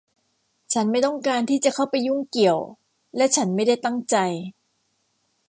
ฉันไม่ต้องการที่จะเข้าไปยุ่งเกี่ยว และฉันไม่ได้ตั้งใจ